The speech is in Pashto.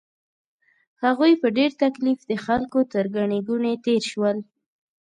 هغوی په ډېر تکلیف د خلکو تر ګڼې ګوڼې تېر شول.